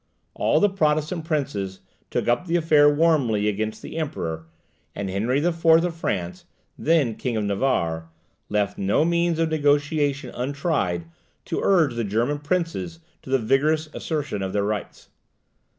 All the Protestant princes took up the affair warmly against the Emperor; and Henry IV. of France, then King of Navarre, left no means of negotiation untried to urge the German princes to the vigorous assertion of their rights.